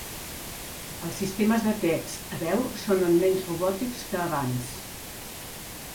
Els sistemes de text a veu sonen menys robòtics que abans.